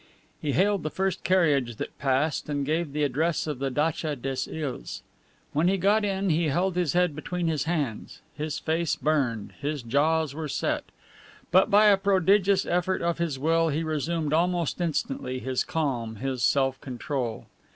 He hailed the first carriage that passed and gave the address of the datcha des Iles. When he got in he held his head between his hands; his face burned, his jaws were set. But by a prodigious effort of his will he resumed almost instantly his calm, his self control.